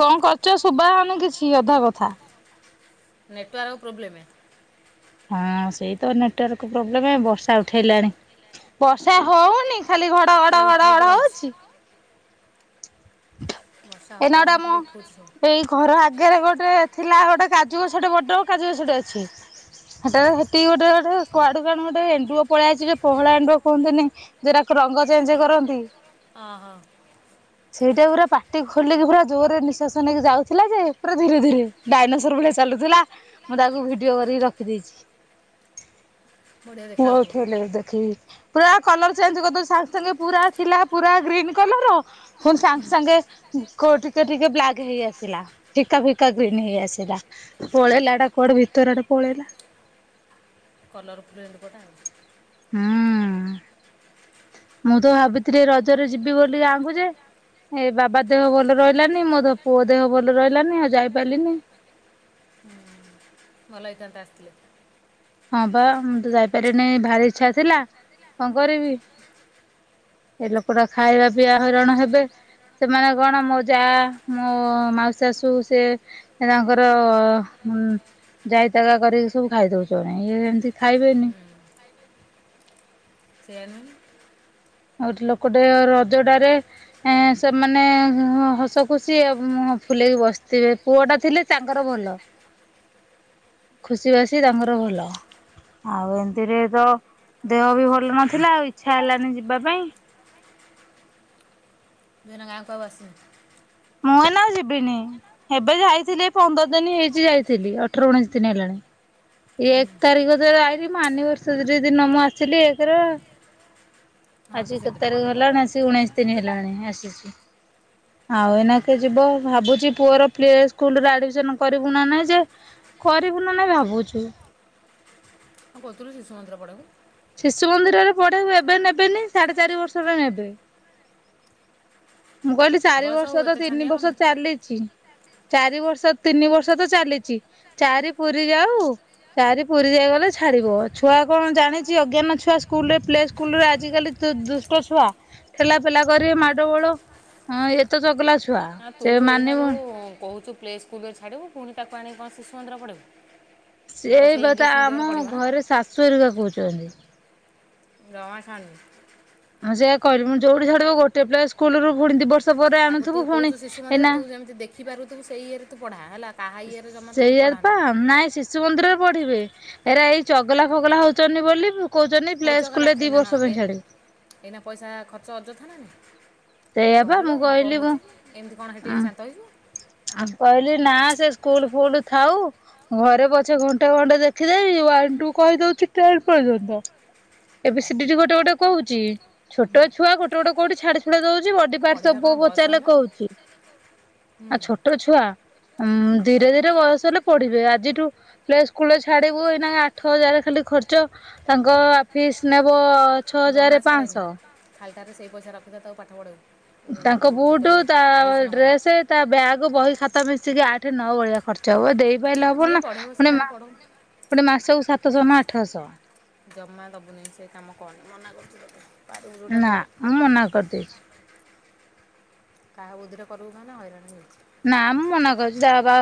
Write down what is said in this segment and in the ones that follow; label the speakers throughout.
Speaker 1: କଣ କରୁଛ ଶୁଭା ହୋଉନି କିଛି ଅଧା କଥା।
Speaker 2: Network problem.
Speaker 1: ହଁ ସେଇ ତ ନେଟୱାର୍କ ପ୍ରୋବ୍ଲେମ ବର୍ଷା ଉଠେଇଲାଣି ବର୍ଷା ହୋଉନି। ଖାଲି ଘଡ଼ ଘଡ ଘଡ଼ ଘଡ଼ ହୋଉଛି।
Speaker 2: ବର୍ଷା ହେବାର ନାହିଁ ଖାଲି ଉଠଉଛି। ସେମ୍
Speaker 1: ଘର ଆଗରେ ଗୋଟେ ଥିଲା ଗୋଟେ କାଜୁ ଗଛଟେ ବଡ କାଜୁ ଗଛଟେ ଅଛି। ହେଟା ସେଠି ଗୋଟେ ଗୋଟେ। କୁଆଡୁ କଣ ଗୋଟେ ଏଣ୍ଡୁଅ ପଳେଇଆସିଛି ଯେ ପୋହଳା ଏଣ୍ଡୁଅ କୁହନ୍ତିନି ରଙ୍ଗ ଚେଞ୍ଜ କରନ୍ତି।
Speaker 2: ଅ ହଁ।
Speaker 1: ସେଇଟା ପୁରା ପାଟି ଖୋଲିକି ପୁରା ଜୋରରେ ନିଶ୍ଵାସ ନେଇକି ଯାଉଥିଲା ଯେ ପୁରା ଧୀରେ ଧୀରେ। ଡାଇନସର ଭଳିଆ ଚାଲୁଥିଲା ମୁଁ ତାକୁ ଭିଡିଓ କରିକି ରଖିଦେଇଛି। ପୁଅ ଉଠେଇଲେ ଦେଖିକି। ପୁରା କଲର ଚେଞ୍ଜ କରିଦଉଛି ସାଙ୍ଗେ ସାଙ୍ଗେ ପୁରା ଥିଲା ପୁରା ଗ୍ରୀନ୍ ପୁଣି ସାଙ୍ଗେ ସାଙ୍ଗେ କୋ ଟିକେ ଟିକେ ବ୍ଲାକ୍ ହେଇ ଆସିଲା ଫିକା ଫିକା ଗ୍ରୀନ୍ ହେଇ ଆସିଲା। ପଳେଇଲା ଏଟା କୁଆଡେ ଭିତର ଆଡେ ପଳେଇଲା।
Speaker 2: କଲର ଫ୍ରେଣ୍ଡ ପୋଟା ଆଉ।
Speaker 1: ହୁଁ ମୁଁ ତ ଭାବିଥିଲି ରଜରେ ଯିବି ବୋଲି ଗାଁକୁ ଯେ ଏ ବାବା ଦେହ ଭଲ ରହିଲାନି ମୋ ପୁଅ ଦେହ ଭଲ ରହିଲାନି ଆଉ ଯାଇ ପାରିଲିନି।
Speaker 2: ଭଲ ହେଇଥାନ୍ତା ଆସିଥିଲେ।
Speaker 1: ହଁ ବା ମୁଁ ତ ଯାଇପାରିନି ଭାରି ଇଚ୍ଛା ଥିଲା କଣ କରିବି ଏ ଲୋକ ଟା ଖାଇବା ପିବା ହଇରାଣ ହେବେ। ସେମାନେ କଣ ମୋ ଯା ମୋ ମାଉ ଶାଶୁ ସେ ତାଙ୍କର ଉଁ ଜାଇତାଇକା କରିକି ସବୁ ଖାଇ ଦଉଛ ଜଣେ ଇଏ ଏମିତି ଖାଇବେନି।
Speaker 2: ତେଣୁ।
Speaker 1: ଆଉ ଲୋକଟେ ରଜ ଟାରେ ଏ ସେମାନେ ହସ ଖୁସି ଫୁଲେଇକି ବସିଥିବେ ପୁଅ ଟା ଥିଲେ ତାଙ୍କର ଭଲ। ଖୁସି ବାସି ତାଙ୍କର ଭଲ। ଆଉ ଏମିତିରେ ତ ଦେହ ବି ଭଲ ନଥିଲା ଆଉ ଇଚ୍ଛା ହେଲାନି ଯିବା ପାଇଁ।
Speaker 2: ତୁ ଏନା ଗାଁକୁ ଆଉ ଆସିନୁ
Speaker 1: ମୁଁ ନା ଆଉ ଯିବିନି ଏବେ ଯାଇଥିଲି ପନ୍ଦର ଦିନ ହେଇଛି ଯାଇଥିଲି ଅଠର ଉଣେଇଶି ଦିନ ହେଲାଣି। ଏକ ତାରିଖ ତ ଆଇଲି ମୋ ଅନୀଭର୍ଷରି ଦିନ ମୁଁ ଆସିଲି ଏକ୍ ରେ। ଆଜି କେତେ ତାରିଖ ହେଲାଣି? ଆସି ଉଣେଇଶ ଦିନି ହେଲାଣି ଆସିଛି। ଆଉ ଏନା କିଏ ଯିବ ଭାବୁଛି ପୁଅର ପ୍ଲେ ସ୍କୁଲ୍ ରେ ଆଡ୍ମିସନ କରିବୁ ନା ନାଇଁ ଯେ କରିବୁ ନା ନାଇଁ ଭାବୁଛୁ।
Speaker 2: କଣ କହୁଥିଲୁ ଶିଶୁନ୍ଦିର ପଢ଼େଇବୁ
Speaker 1: ଶିଶୁ ମନ୍ଦିରରେ ପଢେଇବେ ଏବେ ନେବେନି ସାଢ଼େ ଚାରି ବର୍ଷ ରେ ନେବେ। ମୁଁ କହିଲି ଚାରି ବର୍ଷ ତ ତିନି ବର୍ଷ ଚାଲିଛି। ଚାରି ବର୍ଷ ତିନି ବର୍ଷ ତ ଚାଲିଛି ଚାଆରି ପୁରି ଯାଉ ଚାରି ପୁରି ଯାଇଗଲେ ଛାଡିବ ଛୁଆ କଣ ଜାଣି ଛି ଅଜ୍ଞାନ ଛୁଆ ସ୍କୁଲରେ ପ୍ଲେ ସ୍କୁଲରେ ଆଜିକାଲି ଦୁଷ୍ଟ ଛୁଆ। ଠେଲା ପେଲା କରିବେ ମାଡ ଗୋଳ ହ ଏତ ଚଗଲା ଛୁ
Speaker 2: ହଁ ତୁ ଏଇନା ଯୋଉ କହୁଛୁ ପ୍ଲେ ସ୍କୁଲ୍ରରେ ଛାଡ଼ିବୁ ପୁଣି ତାକୁ ଆଣିକି କଣ ଶିଶୁ ମନ୍ଦିର ପଢ଼େଇବୁ
Speaker 1: ସେ ଏଇ ବା ତା ଆମ ଘରେ ଶାଶୁହେରିକା କହୁଛନ୍ତି।
Speaker 2: ଜମା ଛାଡ୍ ନି
Speaker 1: ହଁ ସେୟା କହିଲି ମୁଁ ଯଉଠି ଛଡିବୁ ଗୋଟେ ପ୍ଲେ ସ୍କୁଲ୍ ରୁ ପୁଣି ଦି ବର୍ଷ
Speaker 2: ତାକୁ ତୁ କହୁଛୁ ଶିଶୁ ମନ୍ଦିର ତୁ ଯେମିତି ଦେଖିପାରୁଥୁବୁ ସେଇ ଇଏରେ ତୁ ପଢା ହେଲା
Speaker 1: ସେଇ ଇଏରେ ପା ନାଇଁ ସିସୁ ଶିଶୁ ମନ୍ଦିରରେ ପଢି଼ବେ ଏରା ଏଇ ଚଗଲା ଫଗଲା ହଉଛନ୍ତି ବୋଲି କହୁଛନ୍ତି ପ୍ଲେ ସ୍କୁଲ୍ ରେ ଦି ବର୍ଷ ପାଇଁ ଛାଡ଼଼ିବେ।
Speaker 2: ଏଇନା ପଇସା ଖର୍ଚ୍ଚ ଅଯଥା ନା ନାଇଁ। ଘରେ ରହେ କଣ ହଉଛି କି ଏମିତି କଣ ହେଠି ଏଁ ଶାନ୍ତ ହେଇଯିବ।
Speaker 1: ଆଉ କହିଲି ନା ସେ ସ୍କୁଲ ଫୁଲ ଥାଉ। ଘରେ ପଛେ ଘଣ୍ଟେ ଘଣ୍ଟେ ଦେଖିଦେବି ୱା ଟୁ କହିଦଉଛି ଟେନ୍ ପର୍ଯ୍ୟନ୍ତ। ଏବି ସିଡିଡି ଗୋଟେ ଗୋଟେ କହୁଛି ଛୋଟ ଛୁଆ ଗୋଟେ ଗୋଟେ କୋଉଠି ଛାଡ଼ି ଛୁଡ଼ି ଦଉଛି ବଡି ପାର୍ଟସ୍ ସବୁ ପୁଅକୁ ପଚାରିଲେ କହୁଛି ଆଉ ଛୋଟ ଛୁଆ ଛୁଆ ଉଁ ଧୀରେ ଧୀରେ ବୟସ ହେଲେ ପଢି଼ବେ ଆଜିଠୁ ପ ସ୍କୁଲ୍ ରେ ଛାଡିବୁ ଏଇନା ଆଠ ହଜାର ଖାଲି ଖର୍ଚ ତାଙ୍କ ଫିସ୍ ନେବଅ ଛଅ ହଜାରେ ପାଆଂଶହ।
Speaker 2: ଖାଲଟାରେ ସେଇ ପଇସା ରଖିଥା ତାକୁ ପାଠ ପଢ଼େଇବୁ।
Speaker 1: ତାଙ୍କ ବୁଟ୍ ତାଆ ଡ୍ରେସେ ତା ବ୍ୟାଗ୍ ବହି ଖାତା ମିଶିକି ଆଠ ନଅ ଭଳିଆ ଖର୍ଚ୍ଚ ହବ ଦେଇ ପାରିଲେ ହବ ନା ପୁଣି ମା ଗୋଟେ ମାସକୁ ସାତଶହ ନା ଆଠଶହ।
Speaker 2: ଜମା ଦବୁନି ସେ କାମ କଣ ମନା କରୁଛି ତୋତେ
Speaker 1: ନା ମୁଁ ମନା କରିଦେଇଛି।
Speaker 2: କାହା ବୁଧିରେ କରିବୁ ମାନେ ହଇରାଣ ହେଇଜିଉ
Speaker 1: ନା ମୁଁ ମନା କରିଛି ଯାହା ବା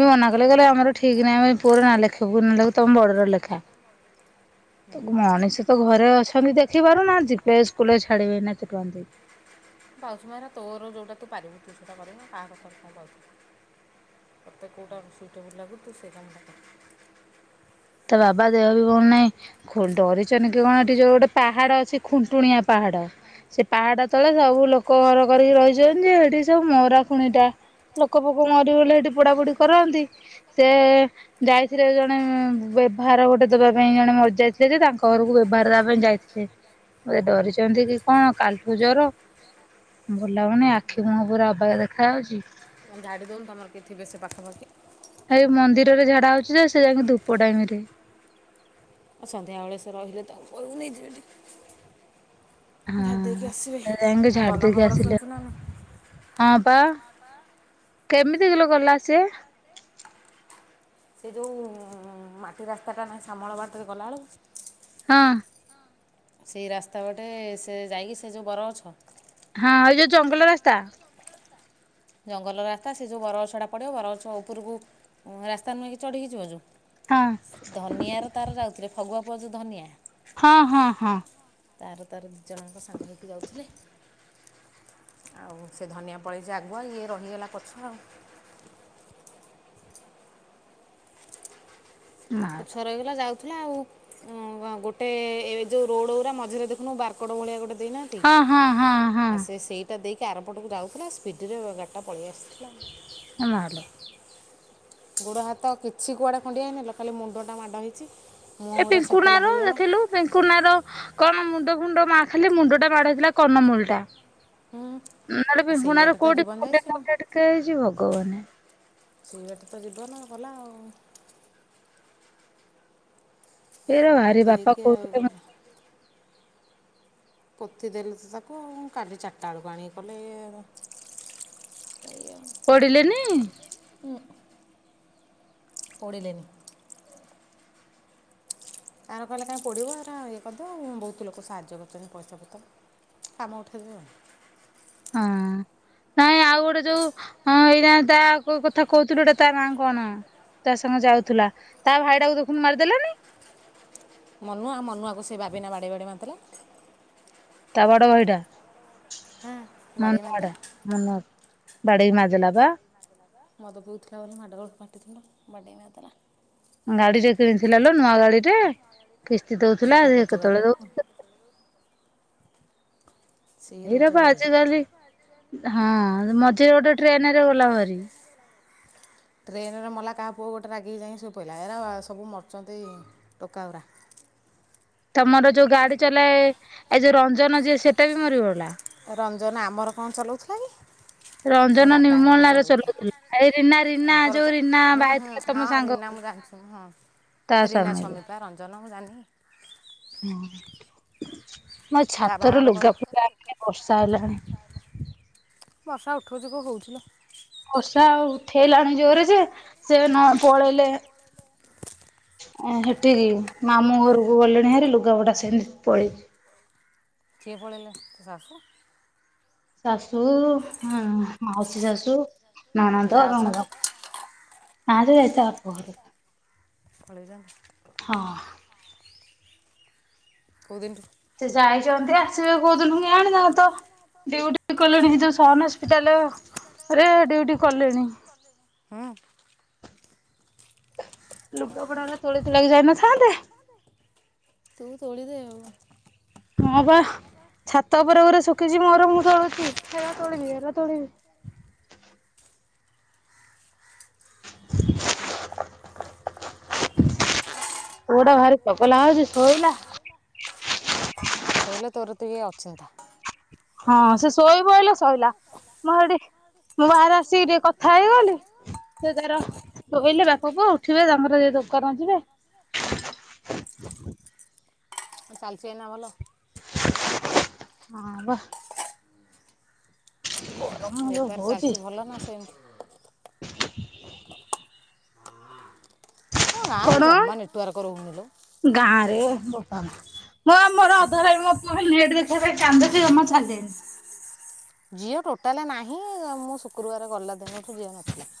Speaker 1: ବି ମନା କଲେ ଗଲେ ଆମର ଠିକ ନାଇଁ ଆମେ ପୁଅ ନା ଲେଖେବୁ ତମ ବଡର ଲେଖା। ତାକୁ ମଣିଷ ତ ଘରେ ଅଛନ୍ତି ଦେଖି ପାରୁନାହାନ୍ତି ପ୍ଲେ ସ୍କୁଲରେ ଛାଡିବେ ଏନା ଏତେ ଟଙ୍କା ଦେଇକି।
Speaker 2: ପାଉଛୁ ମୋ ଏରା ତୋର ଯେଉଟା ତୁ ପାରିବୁ ତୁ ସେଇଟା କରିବୁନା କାହା କଥାରେ କଣ ପାଉଛୁ? ତତେ କେଉଁଟା ସୁଇଟେବୁ୍ଲ ଲାଗୁଚି ତୁ ସେଇଟା ମତେ କହ।
Speaker 1: ତ ବାବା ଦେହ ବି ଭଲ ନାହିଁ। ଖୋଲ ଡରିଚନି କି କଣ ଏଠି ଯୋଉ ଗୋଟେ ପାହାଡ ଅଛି ଖୁଣ୍ଟୁଣିଆ ପାହାଡ। ସେ ପାହାଡ଼ଟା ତଳେ ସବୁ ଲୋକ ଘର କରିକି ରହିଛନ୍ତି ଯେ ଏଠି ସବୁ ମରା ଖୁଣି ଟା। ଲୋକ ପୋକ ମରିିବଲେ ହେଠି ପୋଡାପୋଡି କରନ୍ତି ସେ ଯାଇଥିଲେ ଜଣେ ଉଁ ବ୍ୟବହାର ଗୋଟେ ଦବା ପାଇଁ ଜଣେ ମରି ଯାଇଥିଲେ ଯେ ତାଙ୍କ ଘରକୁ ବ୍ୟବହାର ଦେବା ପାଇଁ ଯାଇଥିଲେ। ମତେ ଡରିଛନ୍ତି କି କଣ କାଲିଠୁ ଜର ଭଲ ଲାଗୁନି ଆଖି ମୁୁହଁ ପୁରା ଅବାଗିଆ ଦେଖା ଯାଉଛି।
Speaker 2: ଧାଡ଼ି ଦେଉନୁ ତମର କିଏ ଥିବେ ସେ ପାଖାପାଖି
Speaker 1: ଭାଇ ମନ୍ଦିରରେ ଝାଡା ହଉଛି ସେ ଯାଇକି ଧୂପ ଟାଇମରେ
Speaker 2: ଆଉ ସନ୍ଧ୍ୟାବେଳେ ସେ ରହିଲେ ତାକୁ କହିବୁ ନେଇଯିବେ। ଝାଡ଼ି ଦେଇକି ଆସିବେ?
Speaker 1: ହଁ ପା କେମିତି କିଲ ଗଲା ସିଏ।
Speaker 2: ସେ ଯେଉଁ ମାଟି ରାସ୍ତାଟା ନାହିଁ ଶାମଳ ବାଟରେ ଗଲାବେଳକୁ
Speaker 1: ହଁ।
Speaker 2: ସେଇ ରାସ୍ତା ପଟେ ସେ ଯାଇକି ସେ ଯେଉ ବର ଅଛ
Speaker 1: ହଁ ଏଇ ଯୋଉ ଜଙ୍ଗଲ ରାସ୍ତା।
Speaker 2: ଜଙ୍ଗଲର ରାସ୍ତା ସେ ଯେଉଁ ବରଗଛଟା ପଡ଼ିବ ବରଗଛ ଉପରକୁ ରାସ୍ତା ନୁଏକି ଚଢ଼ିକି ଯିବ ଯଉ
Speaker 1: ହଁ।
Speaker 2: ଧନିଆର ତାର ଯାଉଥିଲେ ଫଗୁଆ ପୁଅ ଯେଉଁ ଧନିଆ।
Speaker 1: ହଁ ହଁ ହଁ।
Speaker 2: ତାର ତାର ଦି ଜଣ ଜାଙ୍କ ସାଙ୍ଗ ହେଇକି ଯାଉଥିଲେ। ଆଉ ସେ ଧନିଆ ପଳେଇଛି ଆ ହୁଆ ଇଏ ରହିଗଲା ପଛୁଆ ଆଉ। ପଛୁଆ ରଇଗଲା ଯାଉ ଥିଲା ଆଉ ଉଁ ଗୋଟେ ଏ ଯେଉଁ ରୋଡ଼ ଗୁରା ମଝିରେ ଦେଖୁନୁ ବାରର୍କଡ଼ ଭଳିଆ ଗୋଟେ ଭଳିଆ ଦେଇନା ନ୍ତି ଆଉ ସେ ସେଇଟା ଦେଇକି ଆରପଟକୁ ଯାଉଥିଲା ସ୍ପିଡ଼ରେ ଗାଡ଼ିଟା ପଳେଇ ଆସିଥିଲା।
Speaker 1: ଏ ମାଲୋ।
Speaker 2: ଗୋଡ଼ ହାତ କିଛି କୁଆଡ଼େ ଖଣ୍ଡି ହେଇନି ଖାଲି ମୁଣ୍ଡଟା ମାଡ଼ ହେଇଛି ମୁଁ ଗୁରା ଛେତେଲା ହେଇଗଲା।
Speaker 1: ପିଙ୍କୁ ନାର କଣ ମୁଣ୍ଡ ଫୁଣ୍ଡ ମା ଖାଲି ମୁଣ୍ଡ ଟା ମାଡ଼ ହେଇଥିଲା କନମୂଳିଟା ନହେଲେ ପିଙ୍କୁ ନାର କୋଉଠି ଖଣ୍ଡିଆ ଖାଁବେର ଟିକେ ହେଇଛି ଭଗବାନେ।
Speaker 2: ସେଇ ବାଟି ତ ଜୀବନ ଗଲା ଆଉ।
Speaker 1: ଏରା ଭାରି ବାପା କହୁଥିଲେ ମ
Speaker 2: ପୋତି ଦେଲେ ତ ତାକୁ କାଲି ଚାରିଟା ବେଳକୁ ଆଣିକି କଲେ। ସେୟା
Speaker 1: ପଡ଼ିଲେନି?
Speaker 2: ହୁଁ। ପୋଡିଲେନି। ତାର କହିଲା କାଇ ପୋଡିବୁ ଏରା ଇଏ କରିଦେବୁ ବହୁତ ଲୋକ ସାହାଯ୍ୟ କରିଛନ୍ତି ପଇସା ପତର। କାମ ଉଠେଇ ଦେବେ।
Speaker 1: ହଁ। ନାଇଁ ଆଉ ଗୋଟେ ଯୋଉ ହଁ ଏଇନା ତା କଥା କ କହୁଥିଲୁ ଗୋଟେ ତା ନା କଣ? ତା ସାଙ୍ଗେ ଯାଉଥିଲା ତା ଭାଇ ଟାକୁ ଦେଖୁନ ମାରି ଦେଲେନି।
Speaker 2: ମନୁଆ ମନୁଆକୁ ସେ ବାବିନା ବାଡ଼େଇ ବାଡ଼େଇ ମାରଥିଲା।
Speaker 1: ତା ବଡ ଭାଇ ଟା ମନ ବା ଟା। ମନ ବାଡେଇକି ମାରିଦେଲା ବା।
Speaker 2: ମଦ ପିଉଥିଲା ବୋଲି ମାଡ଼ ଗଳ ପାଟିତୁଣ୍ଡ ବାଡ଼େଇକି ମାରିଦେଲା।
Speaker 1: ଗାଡି ଯେ କିଣିଥିଲା ଲୋ ନୂଆ ଗାଡିରେ କିସ୍ତି ଦଉଥିଲା ସେ କେତେବେଳେ ଦଉଥିଲା ଏଇରାପ ଆଜିିକାଲି ହଁ ମଝିରେ ଗୋଟେ ଟ୍ରେନ ରେ ଗଲା ଭରି।
Speaker 2: ଟ୍ରେନରେ ମଲା କାହା ପୁଅ ଗୋଟେ ରାଗି ଯାଇକି ଶୋଇ ପହିଲା ଏରା ସବୁ ମରୁଚନ୍ତି ଟୋକାଉରା।
Speaker 1: ତମର ଯୋଉ ଗାଡି ଚଲା ଏ ଯୋଉ ରଞ୍ଜନ ଯିଏ ସେଟା ବି ମରି ଗଲା।
Speaker 2: ରଞ୍ଜନ ଆମର କଣ ଚଲାଉଥିଲା କି? ମୋ ଦାଦାଙ୍କର ଚଲାଉଥିଲା। ତାଙ୍କରତ ହୁଁ ହୁଁ ହଁ ରିନା ମୁଁ ଜାଣିଛି। ହଁ ରୀନା ସମୀପା ରଞ୍ଜନ ମୁଁ ଜାଣିନି।
Speaker 1: ହଁ ମୋ ଛାତରେ ଲୁଗା ଫୁଟା ବର୍ଷା ହେଲାଣି।
Speaker 2: ବର୍ଷା ଉଠଉ ଯିବ ହଉଥିଲା।
Speaker 1: କଷା ଆଉ ଉଠେଇଲାଣି ଜୋରେ ଯେ ସେ ନ ପଳେଇଲେ ଅଁ ହେଠିକି ମାମୁଁ ଘରକୁ ଗଲେଣି ହେରି ଲୁଗାପୁଟା ସେମିତି ପଳେଇଛି।
Speaker 2: କିିଏ ପଳେଇଲା ତୋ ଶାଶୁ।
Speaker 1: ଶାଶୁ, ମାଉସୀ ଶାଶୁ। [unintelligible]
Speaker 2: [unintelligible]
Speaker 1: ହଁ।
Speaker 2: କୋଉ ଦିନଠୁ?
Speaker 1: ସେ ଯାଇଛନ୍ତି ଆସିବେ କହୁଥିଲୁ ଆଣିଥା ତ ଡିଉଟି କଲେଣି ସେ ଯୋଉ ସହନ ହସ୍ପିଟାଲ ରେ ଡିଉଟି କଲେଣି। ଲୁଗାପଡା ଉରା ତୋଳି ତୁଳା କି ଯାଇନଥାନ୍ତେ।
Speaker 2: ତୁ ତୋଳି ଦେ ଆଉ।
Speaker 1: ହଁ ବା ଛାତ ଉପରେ ଉପରେ ଶୁଖିଛି ମୋର ମୁଁ ତଳୁଛି ହେରା ତୋଳିବି ଏରା ତୋଳିବି। [inaudible] ପୁଓଟା ଭାରି ଚକଲା ହଉଛି ଶୋଇଲା
Speaker 2: ହୌଲୋ ତୋର ତୁଇ ଅଛିନ୍ତା।
Speaker 1: ହଁ ସେ ଶୋଇବ ବୋଲି ଶୋଇଲା ମୋ ହେଟି ମୁଁ ବାହାରେ ଆସିକି ଟିକେ କଥା ହେଇଗଲି। ସେ ତାର ସୋଇଲେ ବାପ ପୁଅ ଉଠିବେ ତାଙ୍କର ଜେ ଦୋକାନ ଯିବେ।
Speaker 2: ଚାଲିଛି ଏଇନା ଭଲ।
Speaker 1: ହଁ ବା। ଗରମ ଯୋ ହଉଛି।
Speaker 2: ହଁ ଗାଁରେ ଜମା ନେଟୱାର୍କ ରହୁନି ଲୋ।
Speaker 1: ଗାଁ ରେ ବୋପାମା ମୋ ମୋର ଅଧା ଟାଇମ ମୋ। [unintelligible]
Speaker 2: ଜିଓ ଟୋଟାଲି ନାହିଁ ମୁଁ ଶୁକ୍ରବାର ଗଲା ଦିନଠୁ ଝିଅ ନଥିଲା।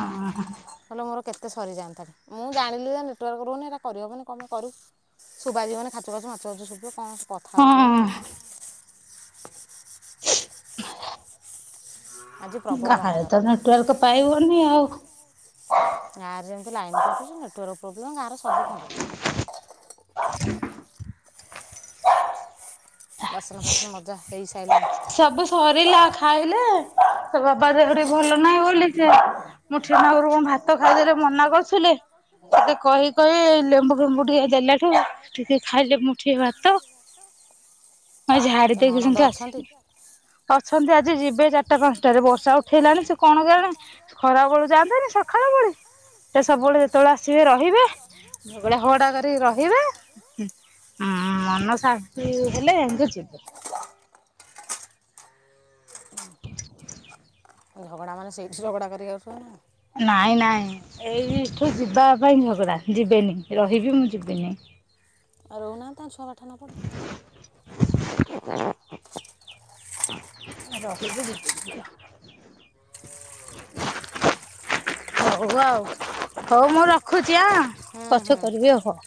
Speaker 1: ହଁ ହଁ।
Speaker 2: ହେଲେ ମୋର କେତେ ସରିଯାଆନ୍ତା ମୁଁ ଜାଣିଲି ଯେ ନେଟାର୍କ ରହୁନିଟା କରିହବନି କମେ କରୁ। ସୁବା ଯିବନି ଖାଚୁ ବାଛୁ ମାଛଛ ଶୁୁ କଣ କଥା ଆଉ କହୁନ ନାହିଁ।
Speaker 1: [inaudible]
Speaker 2: [unintelligible]
Speaker 1: କାଁରେ ତ ନେଟୱଲକ ପାଇବନି ଆଉ।
Speaker 2: ଗାଁରେ ଯେମିତି ଲାଇନ୍ କଟୁଛି ନେଟୱାର୍କ ପ୍ରୋବ୍ଲେମ୍ ଗାଁରେ ସବୁ ଖଣ୍ଡିଆ।
Speaker 1: [inaudible]
Speaker 2: ବାସନ ଫାସନ ମଜା ହେଇସାରିଲାଣି।
Speaker 1: ସବୁ ସରିଲା ଖାଇଲେ ସେ ବାବା ଦେହଟି ଭଲ ନାହିଁ ବୋଲି ସେ ମୁଁ ଠାନଗରୁ କଣ ଭାତ ଖାଇଦେଲେ ମନା କରୁଥିଲେ। ମତେ କହି କହି ଲେମ୍ବୁ ଫେମ୍ବୁ ଟିକେ ଦେଲାଠୁ ଟିକେ ଖାଇଲେ ମୁଠିଏ ଭାତ। ଆଁ ଝାଡି ଦେଇବି ସାଙ୍ଗେ ଆସିବି। ଅଛନ୍ତି ଆଜି ଯିବେ ଚାରିଟା ପାଞ୍ଚଟାରେ ବର୍ଷା ଉଠେଇଲାଣି ସେ କ'ଣ କଲାଣି? ଖରା ବେଳୁ ଯାଆନ୍ତନି ସକାଳ ବଳେ ସେ ସବୁବେଳେ ଯେତେବେଳେ ଆସିବେ ରହିବେ। ସଳେଆ ହଡା କରିକି ରହିବେ। ହୁଁ ମନ ଶାନ୍ତି ହେଲେ ଆଙ୍ଗେ ଯିବେ। [inaudible]
Speaker 2: ଝଗଡ଼ା ମେ ସେଇଠି ଗଡ଼ା କରି ଆସଛୁ।
Speaker 1: ନାଇଁ ନାଇଁ ଏଇଠୁ ଯିବା ପାଇଁ ଝଗଡ଼ା ଯିବେନି ରହିବି ମୁଁ ଯିବିନି।
Speaker 2: ଆଉ ରହୁନାହାନ୍ତି ଛୁଆ ପାଠା ନ ପଢନ୍ତୁ।
Speaker 1: ଆ ରହିବେ ଯିବେ। ହଉ ଆଉ ହଉ ମୁଁ ରଖୁଛି ଆ ପଛ କରିବି ହଉ।